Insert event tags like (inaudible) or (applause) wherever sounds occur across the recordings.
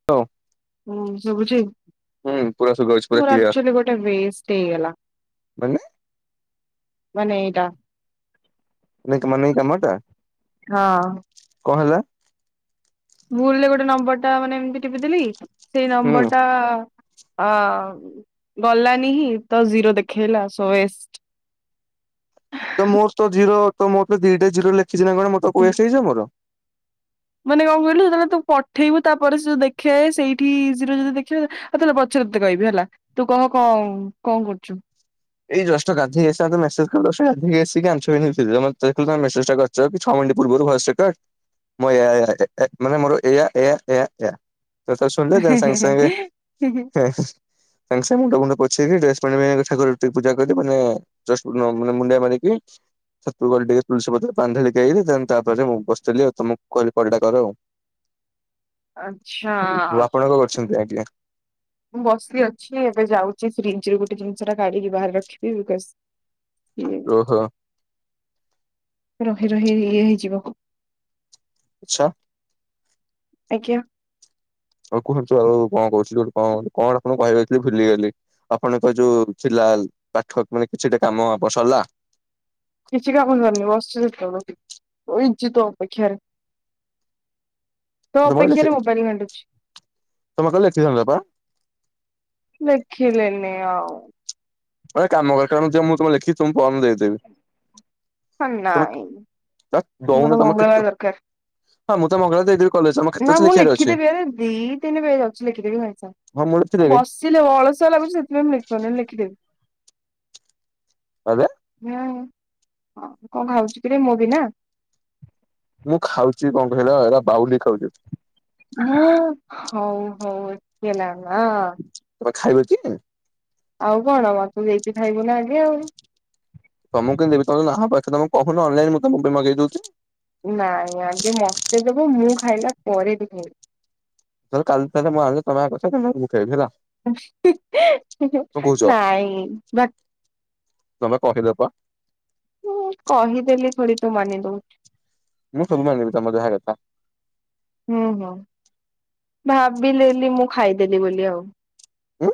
(inaudible) ହୁଁ ସୁଭୁଛି? ହୁଁ ପୁରା ଶୁଭା ଯାଉଛି ପୁରା ମୋର କ୍ଲିୟର ଆକ୍ଚୁଆଲି ଗୋଟେ ୱେଷ୍ଟ ହେଇଗଲା। ମାନେ ମାନେ ଏଇଟା (inaudible) ନାଇଁ କାମ ଟା। ହଁ। କଣ ହେଲା? ଭୁଲରେ ଗୋଟେ ନମ୍ବର ଟା ମାନେ ଏମତି ଟିପିଦେଲି ସେଇ ହୁଁ ନମ୍ବର ଟା ଅ ଗଲାନିଁ ତ ଜିରୋ ଦେଖେଇଲା। (inaudible) ତ ମୋର ତ ଜିରୋ, ତ ମୋର ତ ଦିଟା ଜିରୋ ଲେଖିଛି ନା କଣ? (inaudible) ମାନେ କଣ କହିଲୁ ଯେତେବେଳେ ତୁ ପଠେଇବୁ ତାପରେ ସେ ଯଉ ଦେଖେ ସେଇଠି ଜିରେ ଜିରେ ଦେଖେ ଆଉ ତ ପଛରେ ତତେ କହିବି ହେଲା। ତୁ କହ କ କଣ କରୁଛୁ? ଏଇ ଜଷ୍ଟ ଗାଧେଇ ଆସି ଗାଧକ (unintelligible) ଜଷ୍ଟ ଛଅ ମିନିଟ ପୂର୍ବରୁ (inaudible) ତ ମୋର ଏୟା, ଏୟା, ମାନେ ମୋର ଏୟା, ଏୟା, ଏୟା, ଏୟା। ତ ଶୁଣିଲେ ଦେନ ସାଙ୍ଗ ସାଙ୍ଗେ (inaudible) (unintelligible) (inaudible) ପୂଜା କରି ମାନେ ମାନେ ମୁଣ୍ଡିଆ ମାରିକି ଠାଁକୁରଙ୍କୁ ଗଲେ ଟିକେ ତୁଳସି ଗଛରେ ପାଣି ଢାଳିକି ଆଇଲି ତାପରେ ମୁଁ ବସିଥିଲି ତୁମକୁ କହିଲି କଲଟା କର ଆଉ। ଆଚ୍ଛା ଓ ଆପଣ କଣ ଆଉ। କରୁଛନ୍ତି ଆଜ୍ଞା ମୁଁ ବସି ଅଛି ଏବେ ଯାଉଛି ଫ୍ରିଜରେ ଗୋଟେ ଜିନିଷ ଟା କାଢ଼ିକି ବାହାରେ ରଖିବି ବାସ। (inaudible) ଓହୋ। ରହି ରହି ଇଏ ହେଇଯିବ। ଆଚ୍ଛା। ଆଜ୍ଞା। ଆଉ କୁହନ୍ତୁ ଆଉ କଣ କହୁଥିଲି। କଣ କଣ କହିବାର ଥିଲା ଭୁଲିଗଲି। ଆପଣଙ୍କ ଯୋଉ ଥିଲା ପାଠ ମାନେ କିଛିଟା କାମ ସରିଲା। କିଛି କାମ ସରିନି ବସିଛି ସେତେବେଳୁ। ବଇଛି ତୋ ଅପେକ୍ଷାରେ। ତୋ ତମେ ଲେଖିବ ଅପେକ୍ଷାରେ ମୋବାଇଲ ବାଣ୍ଟୁଛି। ତମେ କହିଲ ଲେଖିଥାନ୍ତ ପା ଦେଖିଲେନି ଆଉ। ଗୋଟେ କାମ କରିବ ଦିଅ ମୁଁ ତୁମକୁ ଲେଖିକି ତୁମକୁ ଫର୍ମ ଦେଇ ଦେବି। ନାଇଁ ତମେ ଦଉନ ମୋର ମୁଁ ମଙ୍ଗଳବାର ତମକୁ ଦରକାର ମଙ୍ଗଳବାରେ ଦେଇଦେବି। କଲେଜ ତମ କେତେ ନା ଅଛି ମୁଁ ଲେଖିବାର ଅଛି ଲେଖିଦେବି ଆରେ ଦିଇ ଦିନି ପାଇଁ ଅଛି ଲେଖିଦେବି ସାଙ୍ଗେ ହଁ ସାଙ୍ଗେ ମୁଁ ଲେଖିଦେବି ବସି। ଅଳସୁଆ ଲାଗୁଛି ସେଥିପାଇଁ ଲେଖିପାରୁନି ନହେଲେ ଲେଖିଦବି। ଆରେ ହଁ କଣ ଖାଉଛି କିରେ ମୋ ବିନା। ମୁଁ ଖାଉଛି କଣ କହିଲ ଏଇରା ପାଉଁରୁଟି ଖାଉଛି। ହଁ ହଉ ହଉ ହେଲା ନା। ତମେ ଖାଇବ କି। ଆଉ କଣ ମତେ ଦେଇକି ଖାଇବୁ ନା ଆଗେ ଆଉ। ତମକୁ କାଇଁ ଦେବି ତମେ ତ ଯାହା ପାଇଲ ତମେ ତ କହୁନ ଅନଲାଇନରେ ମୁଁ ମଗେଇ ଦଉଛି। ନାଇଁ ଆଗେ ମତେ ଦବ ମୁଁ ଖାଇଲା ପରେ ବି ଖାଇବି। ହଉ କାଲି ତାହେଲେଁ ଆଗେ ମୁଁ ଖାଇଵି ହେଲା। କଣ କହୁଛ? ନାଇଁ ବା। ତମେ କହିଲ ପା। ହଁ କହିଦେଲି ଥୋଡ଼ି ତୁ ମାନି ଦେବୁ। ମୁଁ ସବୁ ମାନିବି ତୁମ ଯାହା କଥା। ହୁଁ ହୁଁ ଭାବିଲେ ମୁଁ ଖାଇଦେଲି ବୋଲି ଆଉ। ହଉ।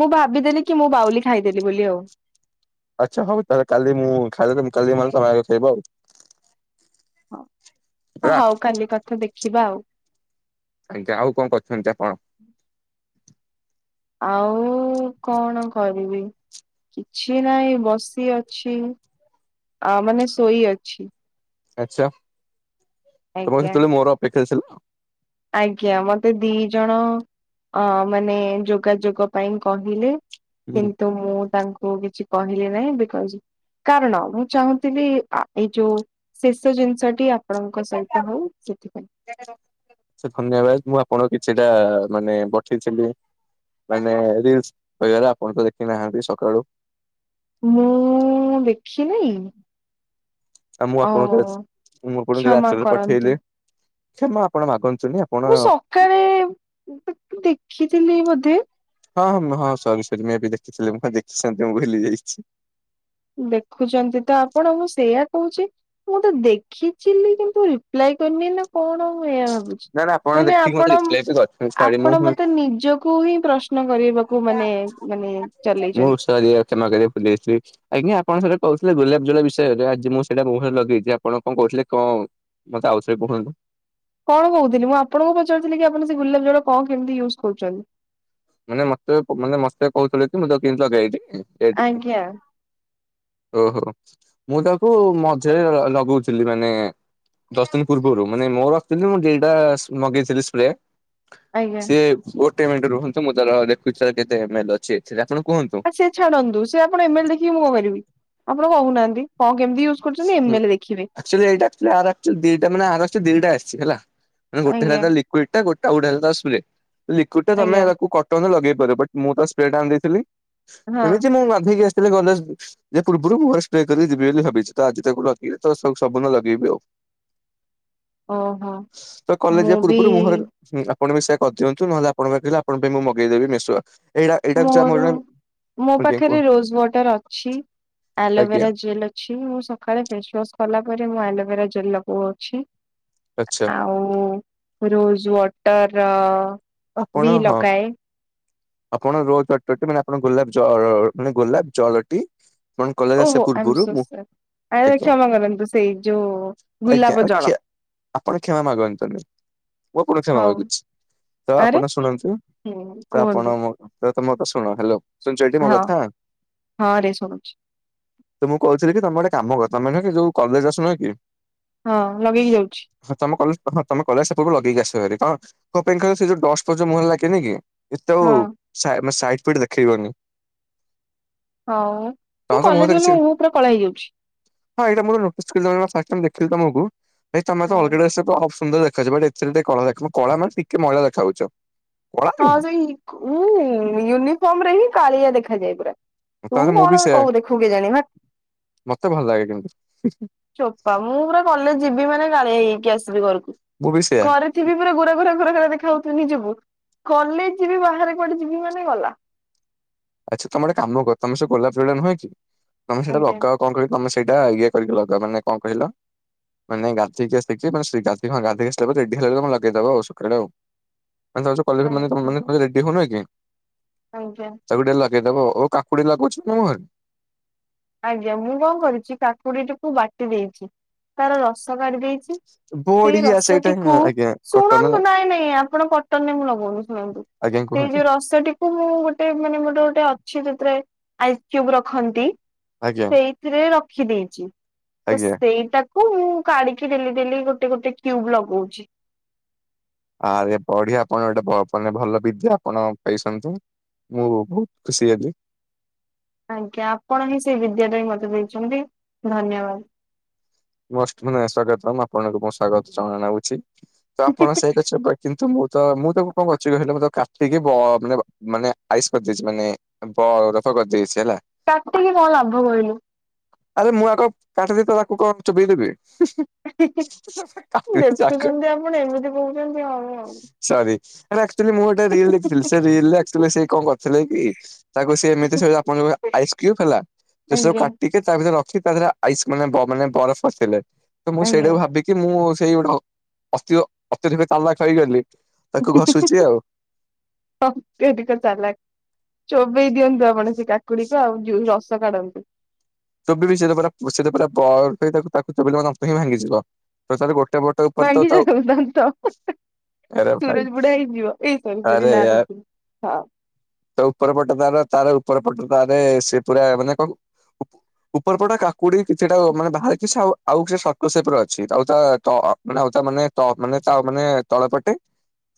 ମୁଁ ଭାବିଦେଲି କି ମୁଁ ବାଉଲି ଖାଇଦେଲି ବୋଲି ଆଉ। ଆଚ୍ଛା ହଉ ତାହେ କାଲି ମୁଁ ଖାଇଦଲେ କାଲି ମାଂସ ଖାଇବ ଆଉ। ହେଲା ହଉ କାଲି କଥା ଦେଖିବା ଆଉ। ଆଜ୍ଞା ଆଉ କଣ କରିଥାନ୍ତି ଚାଖଣ। ଆଉ କଣ କରିବି। ଅଛି ନାଇଁ ବସି ଅଛି ଆ ମାନେ ଶୋଇ ଅଛି। ଆଚ୍ଛା। ତମର ଆଜ୍ଞା ଯତେବେଳେ ମୋର ଅପେକ୍ଷା ଥିଲା। ଆଜ୍ଞା ମତେ ଦି ଜଣ ମାନେ ଯୋଗାଯୋଗ ପାଇଁ କହିଲେ। ହୁଁ। କିନ୍ତୁ ମୁଁ ତାଙ୍କୁ କିଛି କହିଲି ନାହିଁ ବିକଜ। କାରଣ ମୁଁ ଚାହୁଁଥିଲି ଏଇ ଯୋଉ। ଶେଷ ଜିନିଷଟି ଆପଣଙ୍କ ସହିତ ହଉ ସେଥିପାଇଁ। ସାର ଧନ୍ୟବାଦ ମୁଁ ଆପଣଙ୍କ କିଛିଟା ମାନେ ପଠେଇଥିଲି। ମାନେ ରିଲସ କିବାରେ ଆପଣ ତ ଦେଖି ନାହାନ୍ତି ସକାଳୁ। ମୁଁ ଦେଖିନେଇ। ଆଉ ମୁଁ ଆପଣ ମୁଁ ଆପଣଙ୍କୁ କ୍ଷମା ଆଶ୍ରରେ କରନ୍ତୁ ପଠେଇଲିମାଁ ଆପଣ ମାଗୁନି (unintelligible) ମୁଁ ସକାଳେ ଦେଖିଥିଲି ବୋଧେ ହଁ ହଁ ହଁ ସରୀ ସରୀ ମୁ ଏବେ ଦେଖିଥିଲି ମୁଁଁ କହିଲି ଦେଖିଛନ୍ତି ମୁଁ ଭୁଲି ଯାଇଛି। ଦେଖୁଛନ୍ତି ତ ଆପଣ ମୁଁ ସେଇୟା କହୁଛି। ମୁଁ ତ ଦେଖିଚି କିନ୍ତୁ ରିପ୍ଲାଏ କରିନି ନା। କଣ ମୁ ଏଇ ଭାବୁଛି ନା ନା ଆପଣ ମାନେ ଦେଖିକି ମତେ ଆପଣ ରିପ୍ଲାଏ ବି କରିଛନ୍ତି ସରି ଆପଣ ମୁଁ ମତେ ନିଜ କୁ ହିଁ ପ୍ରଶ୍ନ କରିବାକୁ ମାନେ ମାନେ ଚାଲେଇଛନ୍ତି। ମା ପଲିେଇି (inaudible) ଆଜ୍ଞା ଆପଣ ସେଟା କହୁଥିଲେ ଗୋଲାପ ଜଳ ବିଷୟରେ ଆଜି ମୁଁ ସେଇଟା ମୁଁହରେ ଲଗେଇଛି ଆପଣ କଣ କହୁଥିଲେ କଣ? ମତେ ଆଉଥରେ। କୁହନ୍ତ। କଣ କହୁଥିଲି ମୁଁ ଆପଣଙ୍କୁ ପଚାରୁଥିଲି କି ଆପଣ ସେ ଗୁଲାପ ଜଳ କଣ କେମିତି ୟୁଜ୍ କରୁଛନ୍ତି? ମାନେ ମତେ ମାନେ ମତେ କହୁଥିଲେ କି ମୁଁ ତାକୁ କେମିତି ଲଗାଏ ଟି।? ଆଜ୍ଞା ଓହୋ ମୁଁ ତାକୁ ମଝିରେ ଲଗଉଥିଲି ମାନେ ଦଶ ଦିନ ପୂର୍ବରୁ ମାନେ ମୋ ରଖିଥିଲି ମୁଁ ଦିଟା ମଗେଇଥିଲି ସ୍ପ୍ରେ ଆଜ୍ଞା ସିଏ ଗୋଟେ ମିନିଟ ରୁହନ୍ତୁ ମୁଁ ତାର ଦେଖୁଛି ତାର କେତେ ଏମଲେ ଅଛି ଏଥିରେ ଆପଣ କୁହନ୍ତୁ। ଆ ସେ ଛାଡନ୍ତୁ ସେ ଆପଣ ଏମଲେ ଦେଖିକି ମୁଁ କଣ କରିବି ଆପଣ କହୁନାହାନ୍ତି କଣ କେମିତି ୟୁଜ କରୁଛନ୍ତି ଏମଲେ ଦେଖିବେ ସେଇଟା ଆକ୍ଚୁଆଲି ଆର ଆକ୍ଚୁଆଲି ଦିଟା ମାନେ ଆର ଆସିଛି ଦିଟା ଆସିଛି ହେଲା ମାନେ ଗୋଟେ ହେଲା ଆଜ୍ଞା କ୍ୱିଡ଼ିଟେ ଗୋଟେ ହେଲା ତାର ସ୍ପ୍ରେ ଲିକ୍ୱିଡ଼ିଟା ତମେ ଆଜ୍ଞା ତାକୁ ତମେ ଲଗେଇ ପାରିବ ବଟ୍ ମୁଁ ତାକୁ ସ୍ପ୍ରେ ଟା ଆଣିଦେଥିଲି ହଁ। ଏମିତି ମୁଁି ହେଲେ ଗଣେଶ ଯେ (inaudible) ପୂର୍ବରୁ ମୁଁ ସ୍ କରିକି ଯିବି ବୋଲି ଭାବିଛି ତ ଆଜି ତାକୁ ଲଗେଇେ ତ ସବୁଦିନ ଲଗେଇବି ଆଉ। ଓହୋ ତ କଲେଜ ମୁଁ ଯିବା ବି ପୂର୍ବରୁ ମୁଁହରେ ହୁ ଆପଣ ବି ସେୟା କରିଦିଅନ୍ତୁ ନହେଲେ ଆପଣଙ୍କ କହିଲ ଆପଣଙ୍କ ପାଇଁ ମୁଁ ମଗେଇଦବି ମିଶୁଆ। ମୋର ମୋ କୁହ ପାଖରେ ରୋଜ ୱାଟର ଅଛି ଆଜ୍ଞା ଆଲୋଭେରା ଜେଲ୍ ଅ ଅ ମୁଁ ସକାଳେ ଫେସ ୱାସ କଲା ପରେ ମୁଁ ଆଲୋଭେରା ଜେଲ ଲଗଉ ଅଛି। ଆଚ୍ଛା। ଆଉ ରୋଜ ୱାଟର ଆପଣ ବି ହଁ ଲଗାଏ। ଆପଣ ରୋଜ ୱାଟରଟି ମାନେ ଆପଣ ଗୋଲାପ ଜ ମାନେ ଗୋଲାପ ଜଳ ଟି। ମାନେ କଲେଜ ଆସିବା ପୂର୍ବରୁ ମୁଁ ଆ ଆଜ୍ଞା କ୍ଷମା କରନ୍ତୁ ସେଇ ଯୋଉ ଆଜ୍ଞା ଗୁଲାପ କ୍ଷା ଜଳ। ଆପଣ କ୍ଷମା ମାଗନ୍ତୁନି ମୁଁ କଣ କ୍ଷମା ହଉ ମାଗୁଛି ତ ଆରେ ଆପଣ ଶୁଣନ୍ତୁ। ହୁଁ ତ ଆପଣ କୁହନ୍ତୁ ମୋ ତ ମୋ କଥା ଶୁଣ ହ୍ୟାଲୋ ଶୁଣୁଛ ଟି ମୋ କଥା। ହଁରେ ଶୁଣୁଛି। ମୁଁ କହୁଥିଲି କି ତମେ ଗୋଟେ କାମ କର ତମେ ଏଇଠିକି ଯୋଉ କଲେଜ ଆସୁନା କି ହଁ ଲଗେଇକି ଯାଉଛି। ହଁ ତମ କଲେଜ ହଁ ତମ କଲେଜ ସେପଟକୁ ଲଗେଇକି ଆସିବି କଣ କୋ ପାଇଁ ଖ ସେ ଯଉ ଷ୍ଟୋ ମୁଁ ଲାଗେନି କି। (inaudible) ଏତେ ଆଉ ହଁ ସାଇଟ ଫାଇଟ ଦେଖେଇବନି। ହଉ ମୁଁ ତମେ ତ କଲେଜ ମୁହଁରେ ଗଲେ କିଛି ମୋ ମୁଁହ ପୁରା କଳା ହେଇଯାଉଛି। ହଁ ଏଇଟା (inaudible) ସୁନ୍ଦର ଦେଖାଯିବ ହଁ ଏଥିରେ ଟିକେ କଳା ଦେଖା କଳାମାନେ ଟିକେ ମଇଳା ଦେଖାଯାଉଛ। କଳା ହଁ ନୁହଁ ସେଇ ମୁଁ ୟୁନିଫର୍ମ ରେ ହିଁ କାଳିଆ ଦେଖାଯାଏ ପୁରା। ତୁ ତାଲେ ମୁଁ କଣ ବି ସେ କହୁ ଦେଖୁ କେଜାଣି ହଟ୍ ମତେ ଭଲ ଲାଗେ କିନ୍ତୁ। ଚୋପା ମୁଁ ପୁରା କଲେ ଯିବି ମାନେ କାଳି ହେଇକି ଆସିବି ଘରକୁ। ମୁଁ ବି ସେୟା। ଘରେ ଥିବି ପୁରା ଗୋରା ଗୋରା ଘୁରା ଘୁରା ଦେଖା ଯାଉଥିବି ନିଜକୁୁ କଲେଜ ଯିବି ବାହାରେ କୁଆଡ଼େ ଯିବି ମାନେ ଗଲା। ଆଚ୍ଛା ତମେ ଗୋଟେ କାମ କର ତମେ ସେ ଗୋଲାପ ଫୁଲ ଟା ନୁହେଁ କି ତମେ ସେଟାକୁ ଆଜ୍ଞା ଆଗାଅ କଣ କହିଲି ତମେ ସେଇଟା ଇଏ କରିକି ଲଗାଅ ମାନେ କଣ କହିଲ ମାନେ ଗାଧେଇକି ଆକିସି ମାନେ ସେ ଗାଧେଇ ହଁ ଗାଧେଇକି ଆସିଲା ପରେ ରେଡ଼ି ହେଲା ବଳକୁ ଆପଣ ଲଗେଇଦବ ଆଉ ସକାଳେ ଆଉ। ମାନେ ତମେ ସବୁ କଲେଜ ମାନେ ତମ ଆଜ୍ଞା ମାନେ ତମେ ରେଡି ହଉନ କି? ଆଜ୍ଞା। ତାକୁ ଟିକେ ଲଗେଇଦବ ଓ କାକୁଡ଼ି ଲାଗଉଛ ନା ମୁହଁରେ? ଆଜ୍ଞା ମୁଁ କଣ କରିଚି କାକୁଡ଼ି ଟିକୁ ବାଟି ଦେଇଚି ତାର ରସ କାଢ଼ି ଦେଇଚି ସେ ବଢିଆ ସେଇଟା ରସଟିକୁ ହଁ, ଆଜ୍ଞା କଟନ ନା ଶୁଣନ୍ତୁ ନାଇଁ ନାଇଁ ଆପଣ କଟନରେ ମୁଁ ଲଗଉନି ଶୁଣନ୍ତୁ ଆଜ୍ଞା ସେଇ କୁହନ୍ତୁ ଯୋଉ ରସ ଟି କୁ ଗୋଟେ ମାନେ ଗୋଟେ ଗୋଟେ ଅଛି ସେଥିରେ ଆଇସ୍ କ୍ୟୁବ ରଖନ୍ତି ଆଜ୍ଞା ସେଇଥିରେ ରଖି ଦେଇଚି ତ ଆଜ୍ଞା। ସେଇଟା ହଉ ମୁଁ କାଢ଼ିକି ଡ଼େଲି ଡ଼େଲି ଗୋଟେ ଗୋଟେ କ୍ୟୁବ ଲଗଉଚି। ଆରେ ବଢ଼ିଆ ଆପଣ ଏଇଟା ଭ ମାନେ ଭଲ ବିଦ୍ୟା ଆପଣ ପାଇସନ୍ତି। ମୁଁ ବହୁତ ଖୁସି ହେଲି। ଆଜ୍ଞା ଆପଣ ହିଁ ସେଇ ବିଦ୍ୟା ଟା ହିଁ ମତେ ଦେଇଚନ୍ତି ଧନ୍ୟବାଦ। ମଷ୍ଟ ମାନେ ସ୍ଵାଗତମ୍ ମୁଁ ଆପଣଙ୍କୁ ମୁଁ ସ୍ଵାଗତ ଜଣାଉଛି। ତ ଆପଣ ସେ (unintelligible) ମୁଁ ତ ମୁଁ ତାକୁ କଣ କରଚି କହିଲ ମୁଁ ତାକୁ କା ଟିକେ ବ ମାନେ ମାନେ ଆଇସ୍ କରିଦେଇଚି ମାନେ ବ ରଫ କରିଦେଇଚି ହେଲା। କାଟିକି କଣ ଲାଭ କହିଲୁ? ଆରେ ମୁଁ ଆଗ କାଟିଦେଇଚି ତ ତାକୁ କଣ ଚୋବଇ ଦେବି। ହେଁ ହେଁ କାଟିଦେଇଛି ଆଗ ଦେଖୁଚନ୍ତି ଆପଣ ଏମିତି କହୁଚନ୍ତି ହଁ ଆଉ। ସରି ହେଟା ଆକ୍ଚୁଆଲି ମୁଁ ଗୋଟେ ରିଲ୍ ଦେଖିଥିଲି ସେ ରିଲ୍ ରେ ଆକ୍ଚୁଆଲି ସେ କଣ କରିଥିଲେ କି ତାକୁ ସିଏ ଏମିତି ସେ ଆପଣ ଯୋଉଭଳିଆ ଆଇସ୍ କ୍ୟୁବ ହେଲା ଆଜ୍ଞା। ସିଏ ତା ଭିତରେ ରଖି ତା ଦେହରେ ଆଇସ୍ ମାନେ ବ ମାନେ ବରଫ ବସେଇଲେ। ତ ମୁଁ ଆଜ୍ଞା ସେଇଟାକୁ ଭାବିକି ମୁଁ ସେଇ ଗୋଟେ ଅସ୍ଥିର ଅତ୍ୟଧିକ ଚାଲାଖ ହେଇଗଲି ତାକୁ ଘଷୁଚି ଆଉ। ହଁ ସବୁଠୁ ଅଧିକ ଚାଲାକ୍ ଚୋବେଇ ଦିଅନ୍ତୁ ଆପଣ ସେ କା କୁଡ଼ି କୁ ଆଉ ଜୁ ରସ କାଢ଼ନ୍ତୁ। ଚୋବେଇବି ସେଟା ପରା ବ ସେଟା ପରା ବରଫ ହେଇଚି ତାକୁ ତାକୁ ଚୋବେଇଲେ ମୋ ଦାନ୍ତ ହିଁ ଭାଙ୍ଗିଯିବ। ତଥାବି ଗୋଟେ ବ ଭାଙ୍ଗି ଯାଉ ଦାନ୍ତ ହେଁ ହେଁ। ଆରେ ଭାଇ ସୁରଜ ବୁଢ଼ା ହେଇଯିବ ଏଇ ସରି ସରି ନା ଧରିଦେଲି ହଁ। ତ ଉପର ପଟ ତାର ତାର ଉପର ପଟ ତାରେ ସେ ପୁରା ମାନେ କ ଉପର ପଟେ କାକୁଡ଼ି କିଛିଟା ମାନେ ବାହାରିଚି ସେ ଆଉ ଆଉ ସେ ସର୍କସେ ପୁରା ଅଛି ଆଉ ତା ତ ମାନେ ଆଉ ତା ମାନେ ତ ମାନେ ତା ମାନେ ତଳ ପଟେ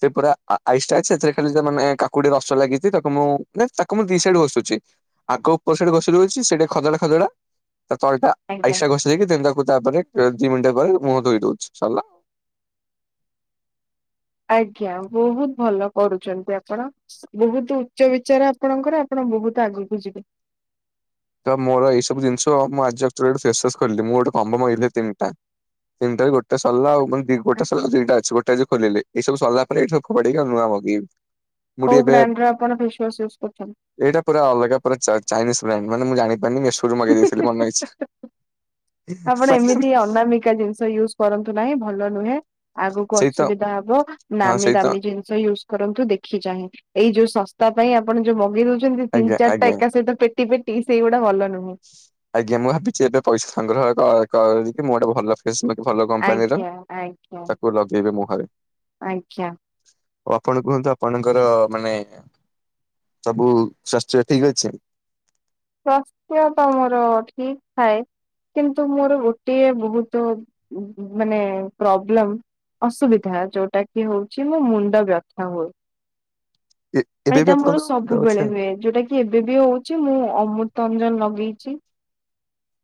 ସେ ପୁରା ଆ ଆଇସ୍ ଟା ସେଥିରେ ଖାଲି ଯା ମାନେ କାକୁଡ଼ି ରସ ଲାଗିଚି ତାକୁ ମୁଁ ମାନେ ତାକୁ ମୁଁ ଦି ସାଇଡ଼ ଘସୁଚି। ଆଗ ଉପର ସାଇଡ଼ ଘଷିଦଉଚି ସେ ଟିକେ ଖଦଡ଼ା ଖଦଡ଼ା ତା ତଳଟା ଆଜ୍ଞା ଆଇସ୍ ଟା ଘଷ ଦେଇକି ଦେନ ତାକୁ ତାପରେ ଦି ମିଣ୍ଟି ପରେ ମୁହଁ ଧୋଇ ଦଉଚି ସରିଲା। ଆଜ୍ଞା ବହୁତ ଭଲ କରୁଚନ୍ତି ଆପଣ। ବହୁତୁ ଉଚ୍ଚ ବିଚାର ଆପଣଙ୍କର ଆପଣ ବହୁତ ଆଗକୁ ଯିବେ। ତ ମୋର ଏଇ ସବୁ ଜିନିଷ ମୁଁ ଆଜି ଆକ୍ଚୁଆଲି ଗୋଟେ ଫେସ ୱାସ ଖୋଲଲି ମୁଁ ଗୋଟେ କମ୍ବୋ ମଗେଇଥିଲି ତିନିଟା। ତିିନିଟାରୁ ଗୋଟେ ସରିଲା ଆଉ ମାନେ ଦି ଗୋଟେ ସରିଲା ଦିଇଟା ଅଛି ଗୋଟେ ଆଜି ଖୋଲିଲି। ଏଇ ସବୁ ସରିଲା ପରେ ଏଇଠୁ ଆଉ ଫୋପାଡ଼ିକି ଆଉ ନୂଆ ମଗେଇବି। ମୁଁ ଟିକେ କୋଉ ଏବେ ବ୍ରାଣ୍ଡର ଆପଣ ଫେସୱାଶ ୟୁଜ୍ କରୁଛନ୍ତି? ଏଇଟା ପୁରା ଅଲଗା ପୁରା ଚା ଚାଇନିସ୍ ବ୍ରାଣ୍ଡ ମାନେ ମୁଁ ଜା ଣିପାରିନି ମେସୋରୁ ମଗେଇ ଦେଇଥିଲି ମନ ଇଛା। ଆପଣ ଏମିତି ଅନାମିକା ଜିନିଷ ୟୁଜ କରନ୍ତୁ ନାହିଁ ଭଲ ନୁହେଁ। ଆଗକୁ ସେଇ ତ ଅସୁବିଧା ହବ। ହଁ ନାମୀ ସେଇ ତ ଦାମୀ ଜିନିଷ ୟୁଜ କରନ୍ତୁ ଦେଖି ଚାହିଁ। ଏଇ ଯୋଉ ଶସ୍ତା ପାଇଁ ଆପଣ ଯୋଉ ମଗେଇ ଦଉଛନ୍ତି ତିନି ଆଜ୍ଞା ଚାରିଟା ଆଜ୍ଞା। ଏକା ସହିତ ପେ (unintelligible) ପେଟି ସେଇଗୁଡା ଭଲ ନୁହଁ। ଆଜ୍ଞା, ମୁଁ ଭାବିଛି ଏବେ ପଇସା ସଂଗ୍ରହ (unintelligible) ମୁଁ ଗୋଟେ ଭଲ (unintelligible) ଭଲ କମ୍ପାନୀର ଆଜ୍ଞା ଆଜ୍ଞା ତାକୁ ଲଗେଇବି ମୁହଁରେ। ଆଜ୍ଞା ଆଉ ଆପଣ କୁହନ୍ତୁ? ଆପଣଙ୍କର ମାନେ ସବୁ ସ୍ୱାସ୍ଥ୍ୟ ଠିକ ଅଛି। ସ୍ୱାସ୍ଥ୍ୟ ତ ମୋର ଠିକ ଥାଏ। କିନ୍ତୁ ମୋର ଗୋଟିଏ ବହୁତ (unintelligible) ମାନେ ପ୍ରୋବ୍ଲେମ। ଅସୁବିଧା ଯୋଉଟା କି ହଉଛି ମୋ ମୁଣ୍ଡ ବ୍ୟଥା ହୁଏ। ଏବେ ବି ଏଇଟା ମୋର ଆପଣଙ୍କର ମୁଣ୍ଡ ଅଛି? ସବୁବେଳେ ହୁଏ, ଯୋଉଟା କି ଏବେ ବି ହଉଛି ମୁଁ ଅମୃତ ଅଞ୍ଜନ ଲଗେଇଛି।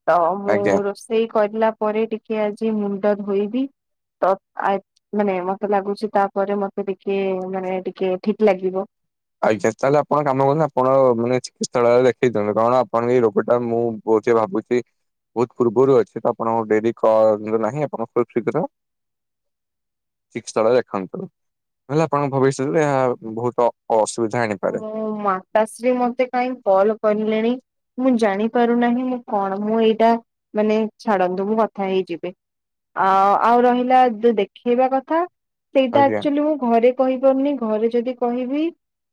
ତ ମୁଁ ଆଜ୍ଞା। ରୋଷେଇ କରିଲା ପରେ ଟିକେ ଆଜି ମୁଣ୍ଡ ଧୋଇବି। ତ ଆ ମାନେ ମତେ ଲାଗୁଛି ତାପରେ ମୋତେ ଟିକେ ମାନେ ଟିକେ ଠିକ ଲାଗିବ। (unintelligible) ଆପଣ କାମ କରନ୍ତୁ ଆପଣ ମାନେ ଚିକିତ୍ସାଳୟରେ ଦେଖେଇ ଦିଅନ୍ତୁ କଣ ଆପଣଙ୍କ ଏ ରୋଗ ଟା ମୁଁ ବହୁତି ଭାବୁଛି। ବହୁତ ପୂର୍ବରୁ ଅଛି ତ ଆପଣଙ୍କୁ ଡେରି କନ୍ତୁ ନାହିଁ, ଆପଣ ଖୁବ ଶୀଘ୍ର ଠିକ ସ୍ଥଳରେ ଦେଖନ୍ତୁ। (unintelligible) ଆପଣଙ୍କ ଭବିଷ୍ୟତରେ ଏହା ବହୁତ ଅ ଅସୁବିଧା ଆଣି ମୁଁ ମାତାଶ୍ରୀ ମତେ କାଇଁ କଲ୍ କରିଲେଣି। ମୁଁ ଜାଣି ପାରୁ ନାହିଁ ମୁଁ କଣ? ମୁଁ ଏଇଟା ମାନେ ଛାଡନ୍ତୁ ମୁଁ କଥା ହେଇଯିବି। ଆଉ ଆଉ ରହିଲା ଯୋଉ ଦେଖେଇବା କଥା ସେଇଟା ଆଜ୍ଞା ଆକ୍ଚୁଆଲି ମୁଁ ଘରେ କହିପାରୁନି ଘରେ ଯଦି କହିବି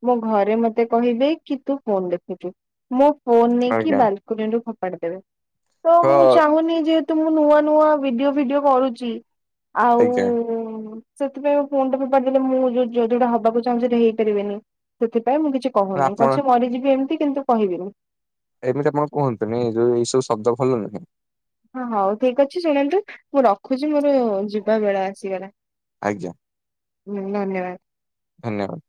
ମୋ ଘରେ ମତେ କହିବେ କି ତୁ ଫୋନ ଦେଖୁଛୁ। ମୁଁ ଫୋନ ନେଇକି ଆଜ୍ଞା ବାଲ ନିରୁ ଫୋପାଡି ଦେବେ। ତ ମୁଁ ଚାହୁଁନି ଯେ ତ ମୁଁ ନୂଆ ନୂଆ ଭିଡିଓ ଭିଡିଓ କରୁଛି, ଆଜ୍ଞା ଆଉ ସେଥିପାଇଁ ଫୋନଟା ଫୋପାଡ଼ି ଦେଲେ ମୁଁ ଯୋଉ ଜୋଉଟା ହବାକୁ ଚାହୁଁଚି ସେଇଟା ହେଇପାରିବିନି, ସେଥିପାଇଁ ମୁଁ କିଛି କହୁନି। ଆପଣ ପଛେ ମରିଯିବି ଏମିତି କିନ୍ତୁ କହିବିନି। ଏମିତି ଆପଣ କୁହନ୍ତୁନି ଯୋଉ ଏଇ ସବୁ ଶବ୍ଦ ଭଲ ନୁହଁ। ହଁ ହଉ ଠିକ ଅଛି ଶୁଣନ୍ତୁ ମୁଁ ରଖୁଛି ମୋର ଯିବା ବେଳ ଆସିଗଲା। ଆଜ୍ଞା ହୁଁ ଧନ୍ୟବାଦ। ଧନ୍ୟବାଦ।